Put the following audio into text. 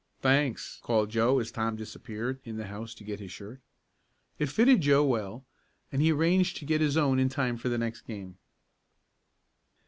"Thanks," called Joe as Tom disappeared in the house to get his shirt. It fitted Joe well, and he arranged to get his own in time for the next game.